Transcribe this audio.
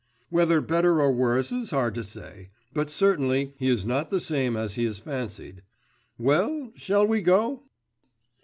'Whether better or worse it's hard to say, but certainly he is not the same as he is fancied. Well, shall we go?